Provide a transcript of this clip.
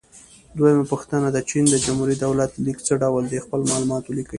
دویمه پوښتنه: د چین د جمهوري دولت لیک څه ډول دی؟ خپل معلومات ولیکئ.